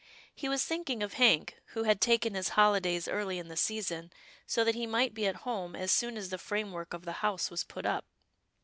He was thinking of Hank, who had taken his holidays early in the season so that he might be at home as soon as the framework of the house was put up.